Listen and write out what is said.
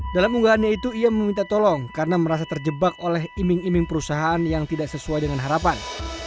dalam unggahannya itu ia meminta tolong karena merasa terjebak oleh iming iming perusahaan yang tidak sesuai dengan harapan